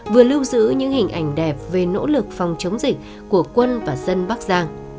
vừa lưu giữ những hình ảnh đẹp về nỗ lực phòng chống dịch của quân và dân bắc giang